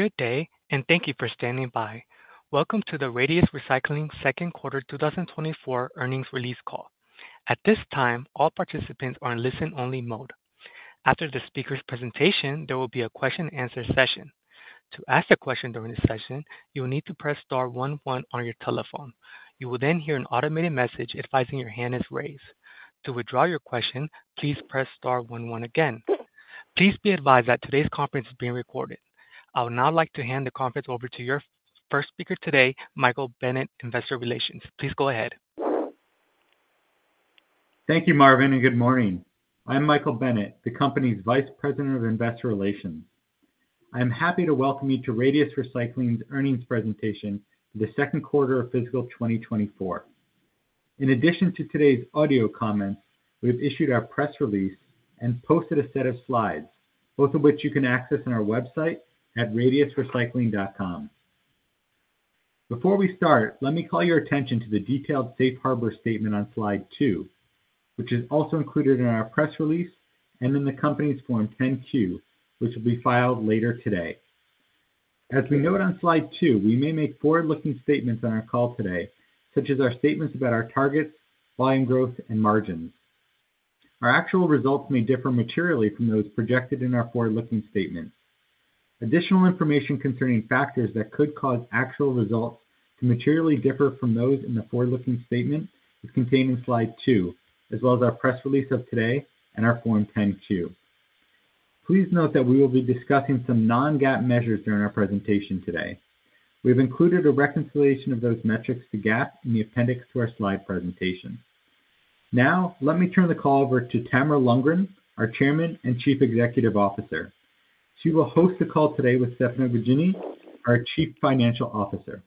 Good day, and thank you for standing by. Welcome to the Radius Recycling second quarter 2024 earnings release call. At this time, all participants are in listen-only mode. After the speaker's presentation, there will be a question-and-answer session. To ask a question during this session, you will need to press star one one on your telephone. You will then hear an automated message advising your hand is raised. To withdraw your question, please press star one one again. Please be advised that today's conference is being recorded. I would now like to hand the conference over to your first speaker today, Michael Bennett, Investor Relations. Please go ahead. Thank you, Marvin, and good morning. I'm Michael Bennett, the company's Vice President of Investor Relations. I am happy to welcome you to Radius Recycling's earnings presentation in the second quarter of fiscal 2024. In addition to today's audio comments, we have issued our press release and posted a set of slides, both of which you can access on our website at radiusrecycling.com. Before we start, let me call your attention to the detailed safe harbor statement on Slide 2, which is also included in our press release and in the company's Form 10-Q, which will be filed later today. As we note on Slide 2, we may make forward-looking statements on our call today, such as our statements about our targets, volume growth, and margins. Our actual results may differ materially from those projected in our forward-looking statements. Additional information concerning factors that could cause actual results to materially differ from those in the forward-looking statement is contained in Slide 2, as well as our press release of today and our Form 10-Q. Please note that we will be discussing some non-GAAP measures during our presentation today. We've included a reconciliation of those metrics to GAAP in the appendix to our slide presentation. Now, let me turn the call over to Tamara Lundgren, our Chairman and Chief Executive Officer. She will host the call today with Stefano Gaggini, our Chief Financial Officer.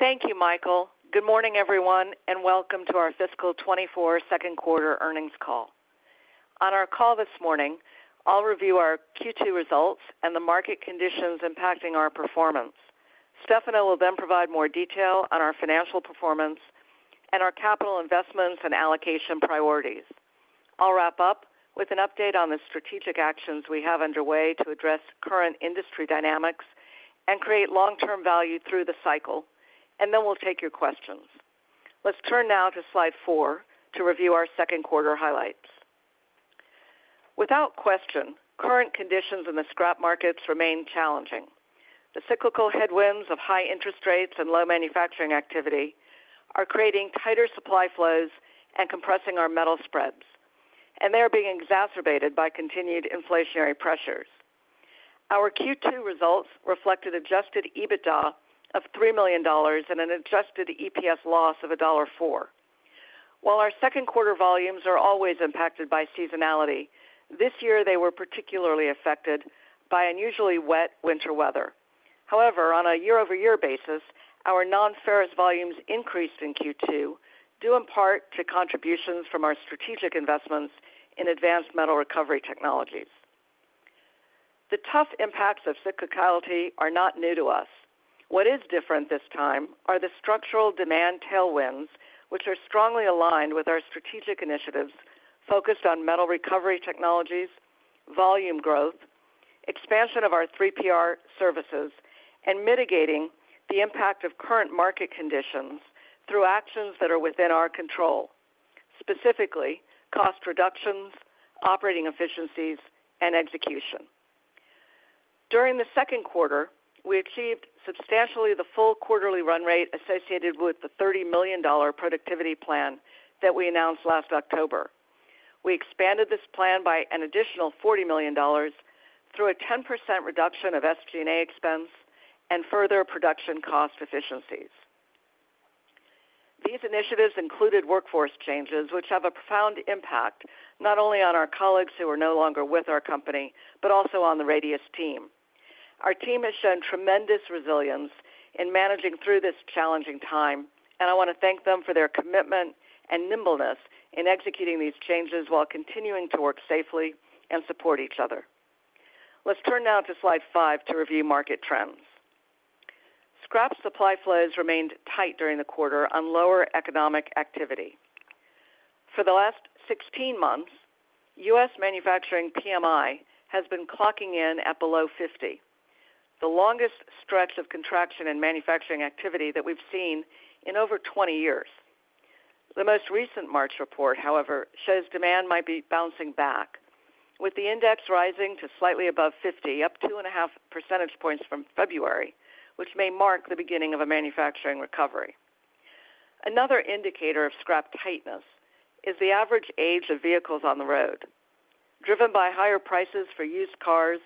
Thank you, Michael. Good morning, everyone, and welcome to our fiscal 2024 second quarter earnings call. On our call this morning, I'll review our Q2 results and the market conditions impacting our performance. Stefano will then provide more detail on our financial performance and our capital investments and allocation priorities. I'll wrap up with an update on the strategic actions we have underway to address current industry dynamics and create long-term value through the cycle, and then we'll take your questions. Let's turn now to Slide 4 to review our second quarter highlights. Without question, current conditions in the scrap markets remain challenging. The cyclical headwinds of high interest rates and low manufacturing activity are creating tighter supply flows and compressing our metal spreads, and they are being exacerbated by continued inflationary pressures. Our Q2 results reflected adjusted EBITDA of $3 million and an adjusted EPS loss of $1.04. While our second quarter volumes are always impacted by seasonality, this year they were particularly affected by unusually wet winter weather. However, on a year-over-year basis, our non-ferrous volumes increased in Q2, due in part to contributions from our strategic investments in advanced metal recovery technologies. The tough impacts of cyclicality are not new to us. What is different this time are the structural demand tailwinds, which are strongly aligned with our strategic initiatives focused on metal recovery technologies, volume growth, expansion of our 3PR services, and mitigating the impact of current market conditions through actions that are within our control, specifically cost reductions, operating efficiencies, and execution. During the second quarter, we achieved substantially the full quarterly run rate associated with the $30 million productivity plan that we announced last October. We expanded this plan by an additional $40 million through a 10% reduction of SG&A expense and further production cost efficiencies. These initiatives included workforce changes, which have a profound impact not only on our colleagues who are no longer with our company, but also on the Radius team. Our team has shown tremendous resilience in managing through this challenging time, and I want to thank them for their commitment and nimbleness in executing these changes while continuing to work safely and support each other. Let's turn now to Slide 5 to review market trends. Scrap supply flows remained tight during the quarter on lower economic activity. For the last 16 months, US manufacturing PMI has been clocking in at below 50, the longest stretch of contraction in manufacturing activity that we've seen in over 20 years. The most recent March report, however, shows demand might be bouncing back, with the index rising to slightly above 50, up 2.5 percentage points from February, which may mark the beginning of a manufacturing recovery. Another indicator of scrap tightness is the average age of vehicles on the road. Driven by higher prices for used cars,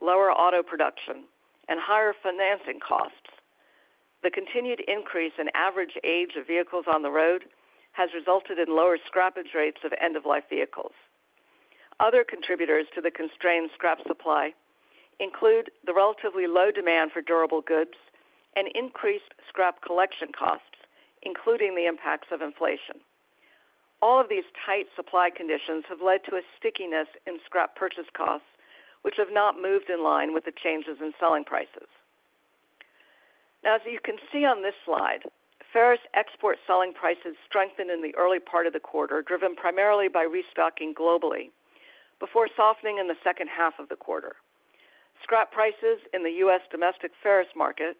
lower auto production, and higher financing costs, the continued increase in average age of vehicles on the road has resulted in lower scrappage rates of end-of-life vehicles. Other contributors to the constrained scrap supply include the relatively low demand for durable goods and increased scrap collection costs, including the impacts of inflation. All of these tight supply conditions have led to a stickiness in scrap purchase costs, which have not moved in line with the changes in selling prices.... Now, as you can see on this slide, ferrous export selling prices strengthened in the early part of the quarter, driven primarily by restocking globally, before softening in the second half of the quarter. Scrap prices in the U.S. domestic ferrous market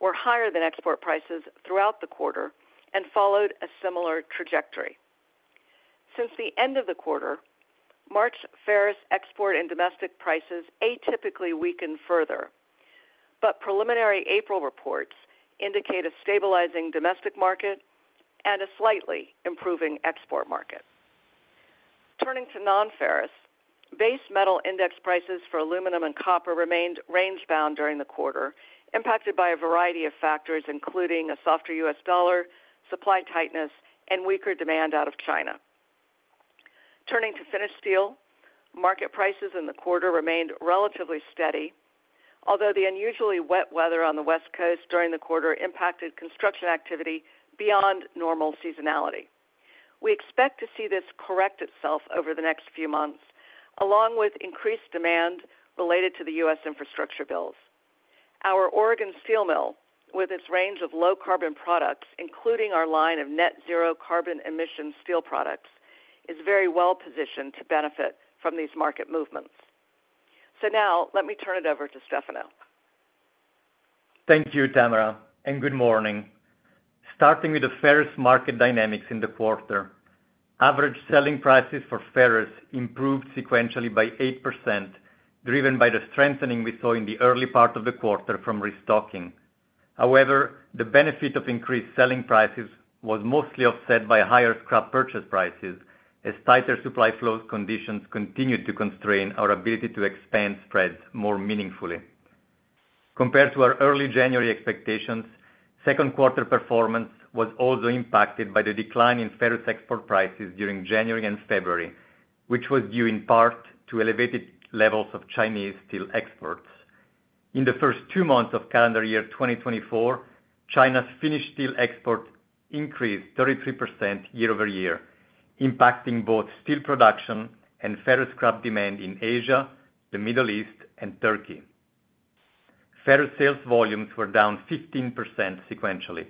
were higher than export prices throughout the quarter and followed a similar trajectory. Since the end of the quarter, March ferrous export and domestic prices atypically weakened further, but preliminary April reports indicate a stabilizing domestic market and a slightly improving export market. Turning to non-ferrous, base metal index prices for aluminum and copper remained range-bound during the quarter, impacted by a variety of factors, including a softer U.S. dollar, supply tightness, and weaker demand out of China. Turning to finished steel, market prices in the quarter remained relatively steady, although the unusually wet weather on the West Coast during the quarter impacted construction activity beyond normal seasonality. We expect to see this correct itself over the next few months, along with increased demand related to the U.S. infrastructure bills. Our Oregon steel mill, with its range of low-carbon products, including our line of net zero carbon emission steel products, is very well positioned to benefit from these market movements. Now let me turn it over to Stefano. Thank you, Tamara, and good morning. Starting with the ferrous market dynamics in the quarter, average selling prices for ferrous improved sequentially by 8%, driven by the strengthening we saw in the early part of the quarter from restocking. However, the benefit of increased selling prices was mostly offset by higher scrap purchase prices, as tighter supply flows conditions continued to constrain our ability to expand spreads more meaningfully. Compared to our early January expectations, second quarter performance was also impacted by the decline in ferrous export prices during January and February, which was due in part to elevated levels of Chinese steel exports. In the first two months of calendar year 2024, China's finished steel export increased 33% year-over-year, impacting both steel production and ferrous scrap demand in Asia, the Middle East, and Turkey. Ferrous sales volumes were down 15% sequentially,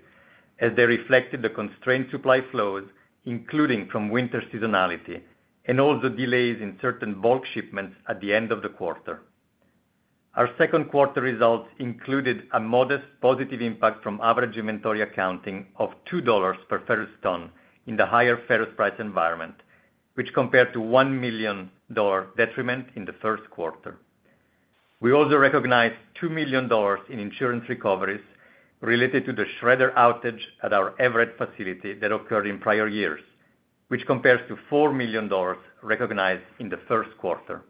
as they reflected the constrained supply flows, including from winter seasonality and also delays in certain bulk shipments at the end of the quarter. Our second quarter results included a modest positive impact from average inventory accounting of $2 per ferrous ton in the higher ferrous price environment, which compared to $1 million detriment in the first quarter. We also recognized $2 million in insurance recoveries related to the shredder outage at our Everett facility that occurred in prior years, which compares to $4 million recognized in the first quarter.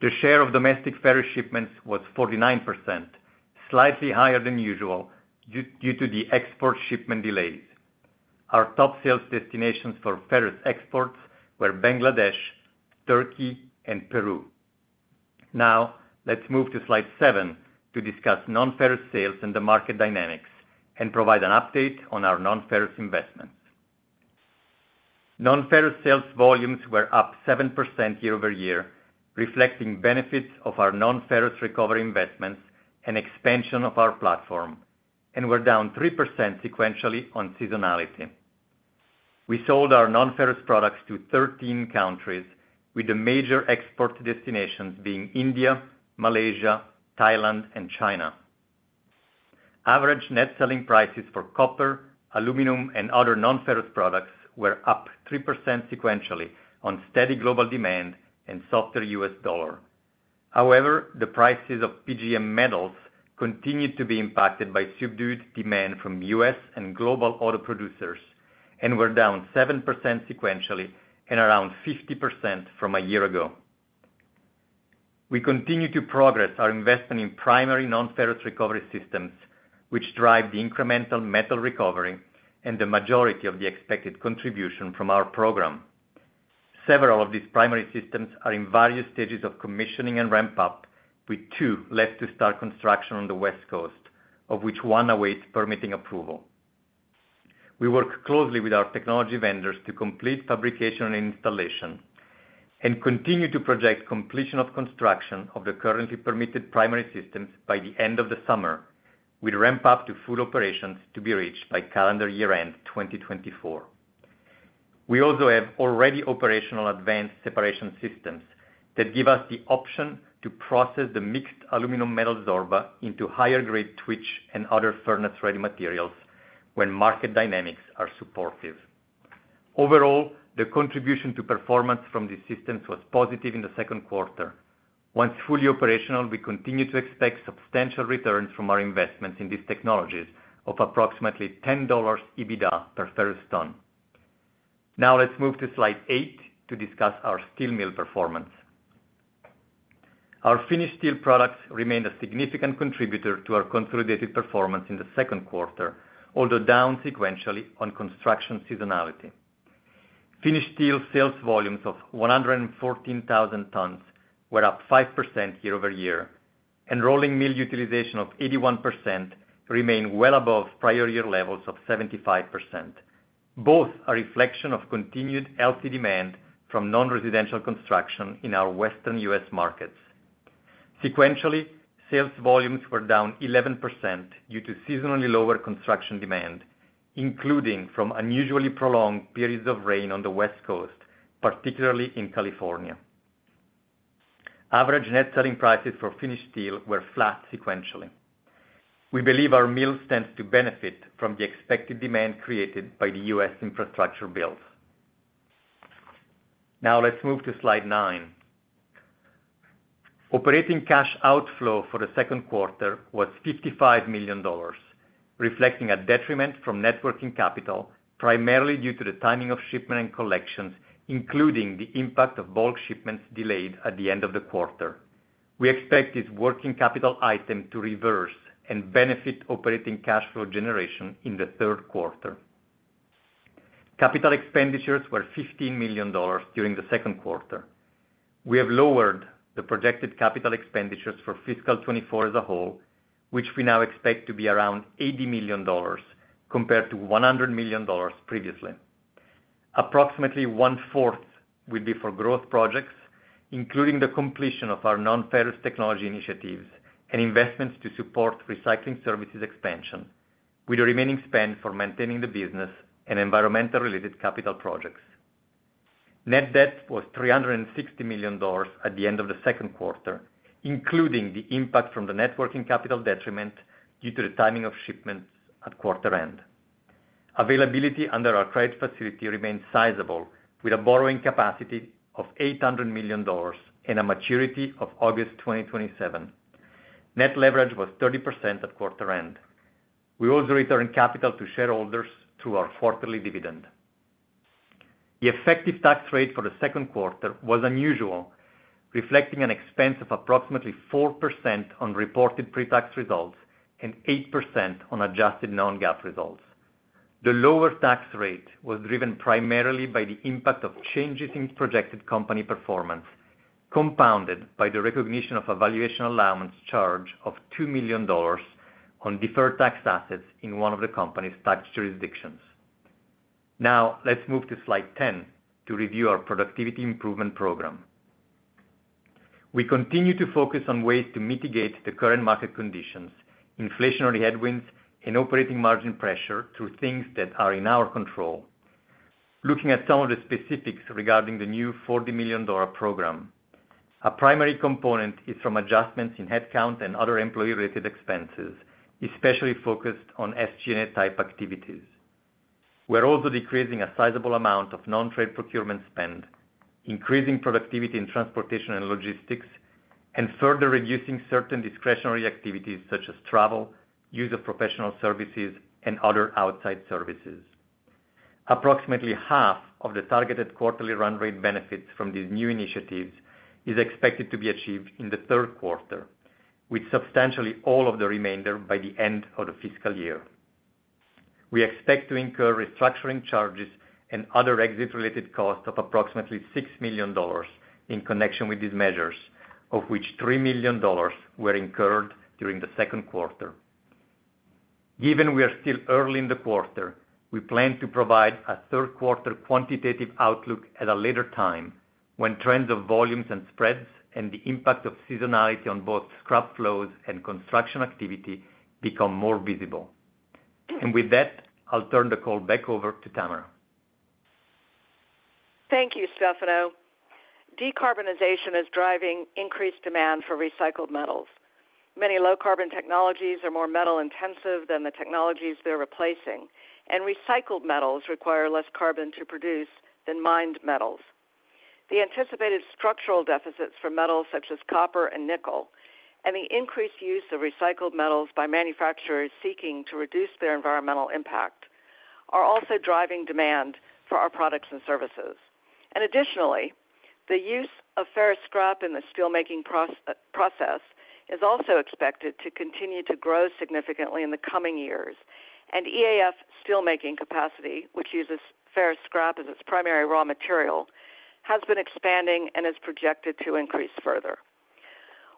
The share of domestic ferrous shipments was 49%, slightly higher than usual, due to the export shipment delays. Our top sales destinations for ferrous exports were Bangladesh, Turkey, and Peru. Now, let's move to slide 7 to discuss non-ferrous sales and the market dynamics and provide an update on our non-ferrous investments. Non-ferrous sales volumes were up 7% year-over-year, reflecting benefits of our non-ferrous recovery investments and expansion of our platform, and were down 3% sequentially on seasonality. We sold our non-ferrous products to 13 countries, with the major export destinations being India, Malaysia, Thailand, and China. Average net selling prices for copper, aluminum, and other non-ferrous products were up 3% sequentially on steady global demand and softer U.S. dollar. However, the prices of PGM metals continued to be impacted by subdued demand from U.S. and global auto producers and were down 7% sequentially and around 50% from a year ago. We continue to progress our investment in primary non-ferrous recovery systems, which drive the incremental metal recovery and the majority of the expected contribution from our program. Several of these primary systems are in various stages of commissioning and ramp-up, with two left to start construction on the West Coast, of which one awaits permitting approval. We work closely with our technology vendors to complete fabrication and installation and continue to project completion of construction of the currently permitted primary systems by the end of the summer, with ramp-up to full operations to be reached by calendar year-end 2024. We also have already operational advanced separation systems that give us the option to process the mixed aluminum metal Zorba into higher grade Twitch and other furnace-ready materials when market dynamics are supportive. Overall, the contribution to performance from these systems was positive in the second quarter. Once fully operational, we continue to expect substantial returns from our investments in these technologies of approximately $10 EBITDA per ferrous ton. Now, let's move to slide 8 to discuss our steel mill performance. Our finished steel products remained a significant contributor to our consolidated performance in the second quarter, although down sequentially on construction seasonality. Finished steel sales volumes of 114,000 tons were up 5% year-over-year, and rolling mill utilization of 81% remained well above prior year levels of 75%.... both a reflection of continued healthy demand from non-residential construction in our Western U.S. markets. Sequentially, sales volumes were down 11% due to seasonally lower construction demand, including from unusually prolonged periods of rain on the West Coast, particularly in California. Average net selling prices for finished steel were flat sequentially. We believe our mills stand to benefit from the expected demand created by the U.S. infrastructure bills. Now let's move to slide 9. Operating cash outflow for the second quarter was $55 million, reflecting a detriment from net working capital, primarily due to the timing of shipment and collections, including the impact of bulk shipments delayed at the end of the quarter. We expect this working capital item to reverse and benefit operating cash flow generation in the third quarter. Capital expenditures were $15 million during the second quarter. We have lowered the projected capital expenditures for fiscal 2024 as a whole, which we now expect to be around $80 million compared to $100 million previously. Approximately one-fourth will be for growth projects, including the completion of our non-ferrous technology initiatives and investments to support recycling services expansion, with the remaining spend for maintaining the business and environmental-related capital projects. Net debt was $360 million at the end of the second quarter, including the impact from the net working capital detriment due to the timing of shipments at quarter end. Availability under our credit facility remains sizable, with a borrowing capacity of $800 million and a maturity of August 2027. Net leverage was 30% at quarter end. We also returned capital to shareholders through our quarterly dividend. The effective tax rate for the second quarter was unusual, reflecting an expense of approximately 4% on reported pre-tax results and 8% on adjusted non-GAAP results. The lower tax rate was driven primarily by the impact of changes in projected company performance, compounded by the recognition of a valuation allowance charge of $2 million on deferred tax assets in one of the company's tax jurisdictions. Now, let's move to slide 10 to review our productivity improvement program. We continue to focus on ways to mitigate the current market conditions, inflationary headwinds, and operating margin pressure through things that are in our control. Looking at some of the specifics regarding the new $40 million program, a primary component is from adjustments in headcount and other employee-related expenses, especially focused on SG&A-type activities. We're also decreasing a sizable amount of non-trade procurement spend, increasing productivity in transportation and logistics, and further reducing certain discretionary activities such as travel, use of professional services, and other outside services. Approximately half of the targeted quarterly run rate benefits from these new initiatives is expected to be achieved in the third quarter, with substantially all of the remainder by the end of the fiscal year. We expect to incur restructuring charges and other exit-related costs of approximately $6 million in connection with these measures, of which $3 million were incurred during the second quarter. Given we are still early in the quarter, we plan to provide a third quarter quantitative outlook at a later time, when trends of volumes and spreads and the impact of seasonality on both scrap flows and construction activity become more visible. With that, I'll turn the call back over to Tamara. Thank you, Stefano. Decarbonization is driving increased demand for recycled metals. Many low-carbon technologies are more metal-intensive than the technologies they're replacing, and recycled metals require less carbon to produce than mined metals. The anticipated structural deficits for metals such as copper and nickel, and the increased use of recycled metals by manufacturers seeking to reduce their environmental impact, are also driving demand for our products and services. Additionally, the use of ferrous scrap in the steelmaking process is also expected to continue to grow significantly in the coming years, and EAF steelmaking capacity, which uses ferrous scrap as its primary raw material, has been expanding and is projected to increase further.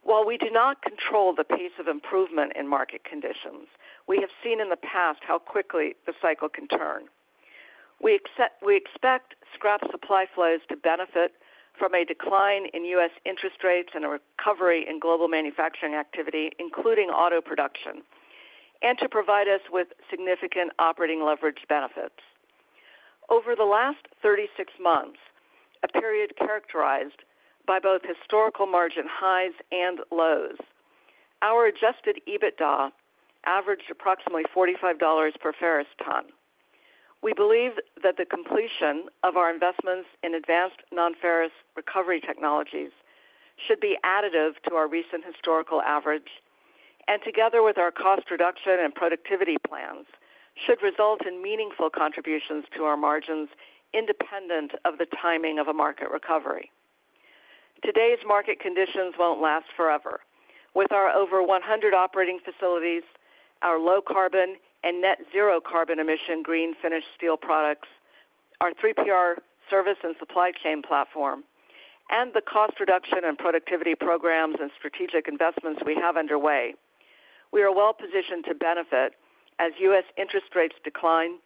While we do not control the pace of improvement in market conditions, we have seen in the past how quickly the cycle can turn. We expect scrap supply flows to benefit from a decline in U.S. interest rates and a recovery in global manufacturing activity, including auto production, and to provide us with significant operating leverage benefits. Over the last 36 months, a period characterized by both historical margin highs and lows, our Adjusted EBITDA averaged approximately $45 per ferrous ton. We believe that the completion of our investments in advanced non-ferrous recovery technologies should be additive to our recent historical average, and together with our cost reduction and productivity plans, should result in meaningful contributions to our margins, independent of the timing of a market recovery. Today's market conditions won't last forever. With our over 100 operating facilities, our low carbon and net zero carbon emission green finished steel products, our 3PR service and supply chain platform, and the cost reduction and productivity programs and strategic investments we have underway... We are well positioned to benefit as U.S. interest rates decline,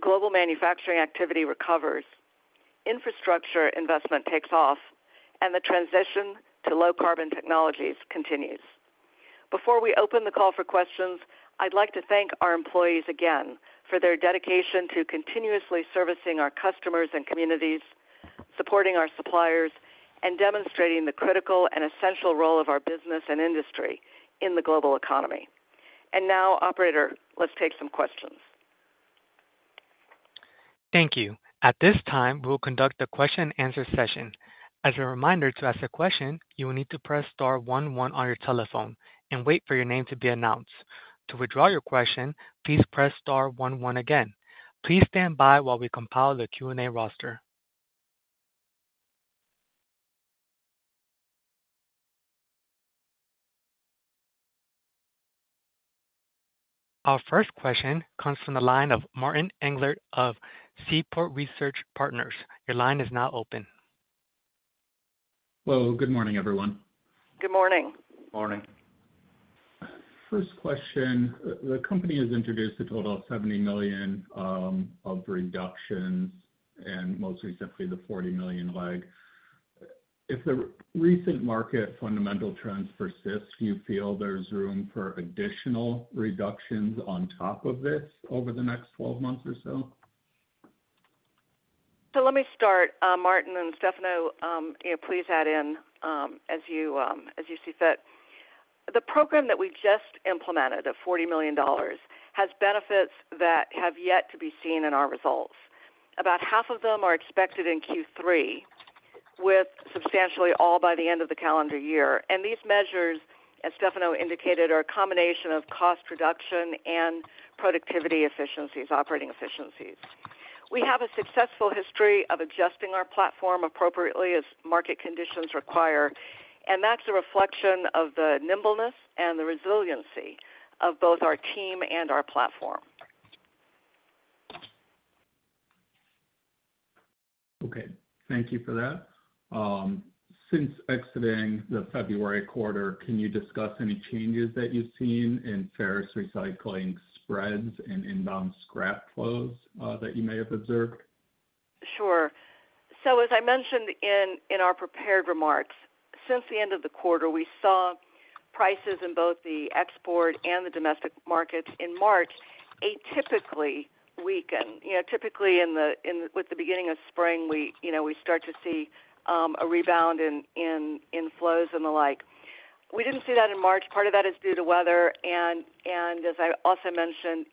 global manufacturing activity recovers, infrastructure investment takes off, and the transition to low carbon technologies continues. Before we open the call for questions, I'd like to thank our employees again for their dedication to continuously servicing our customers and communities, supporting our suppliers, and demonstrating the critical and essential role of our business and industry in the global economy. And now, operator, let's take some questions. Thank you. At this time, we will conduct a question-and-answer session. As a reminder, to ask a question, you will need to press star one one on your telephone and wait for your name to be announced. To withdraw your question, please press star one one again. Please stand by while we compile the Q&A roster. Our first question comes from the line of Martin Englert of Seaport Research Partners. Your line is now open. Hello, good morning, everyone. Good morning. Morning. First question, the company has introduced a total of $70 million of reductions and most recently, the $40 million lag. If the recent market fundamental trends persist, do you feel there's room for additional reductions on top of this over the next 12 months or so? So let me start, Martin and Stefano, you know, please add in, as you, as you see fit. The program that we just implemented, the $40 million, has benefits that have yet to be seen in our results. About half of them are expected in Q3, with substantially all by the end of the calendar year. These measures, as Stefano indicated, are a combination of cost reduction and productivity efficiencies, operating efficiencies. We have a successful history of adjusting our platform appropriately as market conditions require, and that's a reflection of the nimbleness and the resiliency of both our team and our platform. Okay, thank you for that. Since exiting the February quarter, can you discuss any changes that you've seen in ferrous recycling spreads and inbound scrap flows, that you may have observed? Sure. So as I mentioned in our prepared remarks, since the end of the quarter, we saw prices in both the export and the domestic markets in March, atypically weaken. You know, typically with the beginning of spring, we, you know, we start to see a rebound in flows and the like. We didn't see that in March. Part of that is due to weather and as I also mentioned,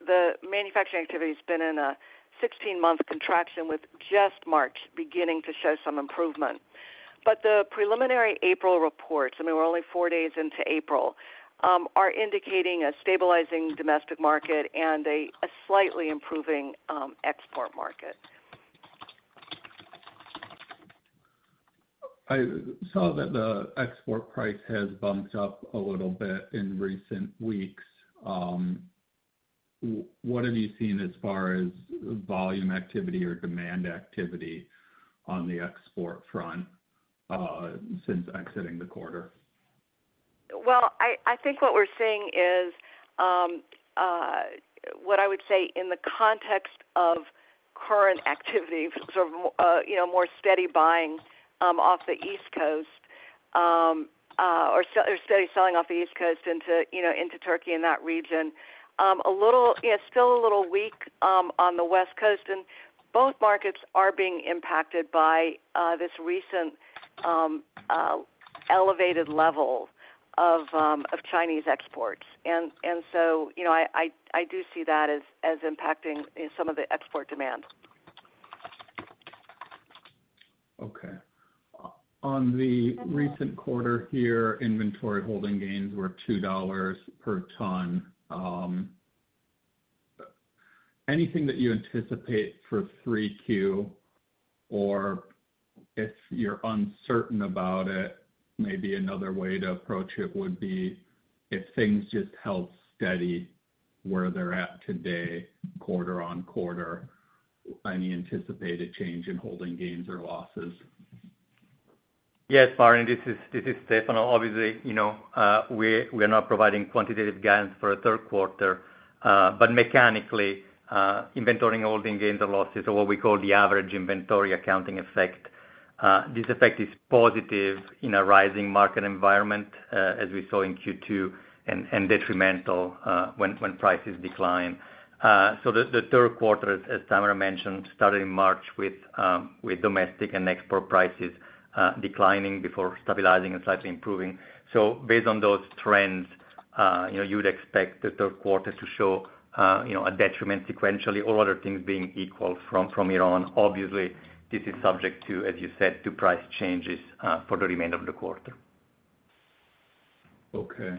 the manufacturing activity has been in a 16-month contraction with just March beginning to show some improvement. But the preliminary April reports, I mean, we're only 4 days into April, are indicating a stabilizing domestic market and a slightly improving export market. I saw that the export price has bumped up a little bit in recent weeks. What have you seen as far as volume activity or demand activity on the export front, since exiting the quarter? Well, I think what we're seeing is what I would say in the context of current activity, so you know, more steady buying off the East Coast, or steady selling off the East Coast into you know, into Turkey and that region. A little... Yeah, still a little weak on the West Coast, and both markets are being impacted by this recent elevated level of Chinese exports. And so you know, I do see that as impacting in some of the export demand. Okay. On the recent quarter here, inventory holding gains were $2 per ton. Anything that you anticipate for 3Q, or if you're uncertain about it, maybe another way to approach it would be if things just held steady where they're at today, quarter-on-quarter, any anticipated change in holding gains or losses? Yes, Martin, this is, this is Stefano. Obviously, you know, we're, we're not providing quantitative guidance for a third quarter, but mechanically, inventory holding gains or losses are what we call the average inventory accounting effect. This effect is positive in a rising market environment, as we saw in Q2, and, and detrimental, when, when prices decline. So the, the third quarter, as Tamara mentioned, started in March with, with domestic and export prices, declining before stabilizing and slightly improving. So based on those trends, you know, you would expect the third quarter to show, you know, a detriment sequentially, all other things being equal from, from here on. Obviously, this is subject to, as you said, to price changes, for the remainder of the quarter. Okay.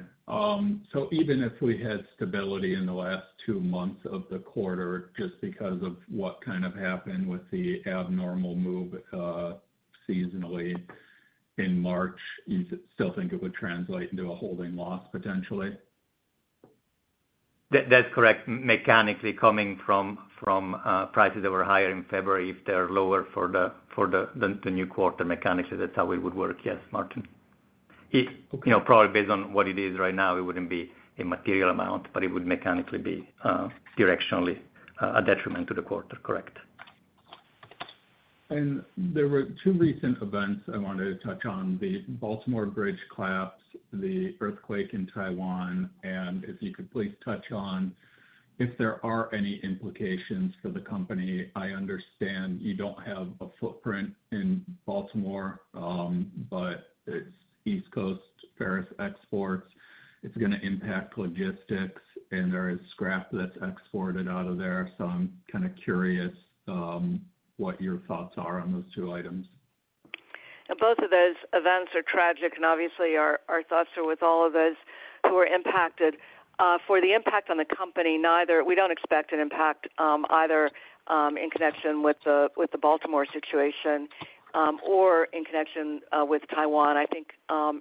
So even if we had stability in the last two months of the quarter, just because of what kind of happened with the abnormal move, seasonally in March, you still think it would translate into a holding loss potentially? ... That, that's correct. Mechanically, coming from prices that were higher in February, if they're lower for the new quarter, mechanically, that's how it would work. Yes, Martin. It, you know, probably based on what it is right now, it wouldn't be a material amount, but it would mechanically be directionally a detriment to the quarter. Correct. There were two recent events I wanted to touch on, the Baltimore bridge collapse, the earthquake in Taiwan, and if you could please touch on if there are any implications for the company. I understand you don't have a footprint in Baltimore, but it's East Coast ferrous exports. It's gonna impact logistics, and there is scrap that's exported out of there. So I'm kind of curious what your thoughts are on those two items. Both of those events are tragic, and obviously, our thoughts are with all of those who are impacted. For the impact on the company, neither... We don't expect an impact, either, in connection with the Baltimore situation, or in connection with Taiwan. I think,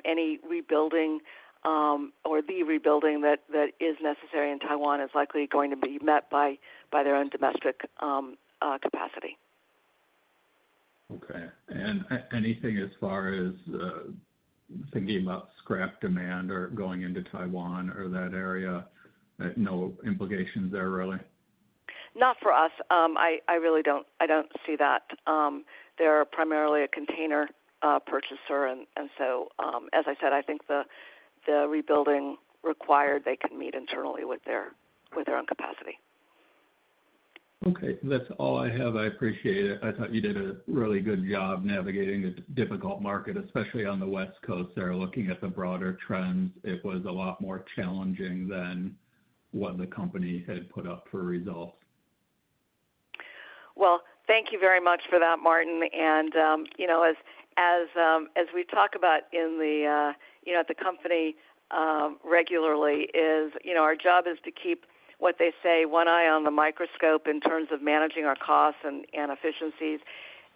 any rebuilding, or the rebuilding that is necessary in Taiwan is likely going to be met by their own domestic capacity. Okay. Anything as far as thinking about scrap demand or going into Taiwan or that area, no implications there, really? Not for us. I really don't see that. They're primarily a container purchaser, and so, as I said, I think the rebuilding required, they can meet internally with their own capacity. Okay. That's all I have. I appreciate it. I thought you did a really good job navigating a difficult market, especially on the West Coast there. Looking at the broader trends, it was a lot more challenging than what the company had put up for results. Well, thank you very much for that, Martin. And, you know, as we talk about in the, you know, at the company, regularly is, you know, our job is to keep what they say, one eye on the microscope in terms of managing our costs and efficiencies.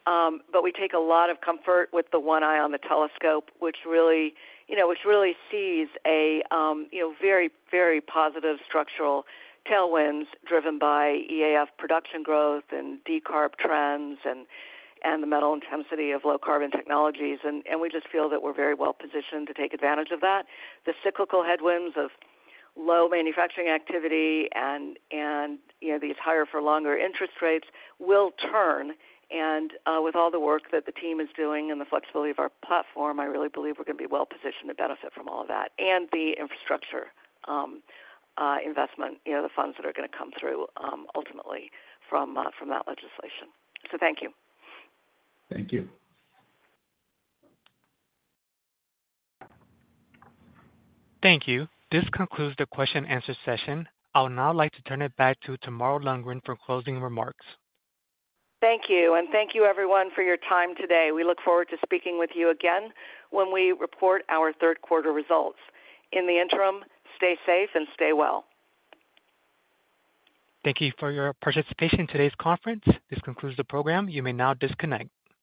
But we take a lot of comfort with the one eye on the telescope, which really, you know, which really sees a, you know, very, very positive structural tailwinds driven by EAF production growth and decarb trends and the metal intensity of low carbon technologies. And we just feel that we're very well positioned to take advantage of that. The cyclical headwinds of low manufacturing activity and, you know, these higher for longer interest rates will turn. With all the work that the team is doing and the flexibility of our platform, I really believe we're gonna be well positioned to benefit from all of that and the infrastructure investment, you know, the funds that are gonna come through ultimately from that legislation. So thank you. Thank you. Thank you. This concludes the question and answer session. I would now like to turn it back to Tamara Lundgren for closing remarks. Thank you, and thank you everyone for your time today. We look forward to speaking with you again when we report our third quarter results. In the interim, stay safe and stay well. Thank you for your participation in today's conference. This concludes the program. You may now disconnect.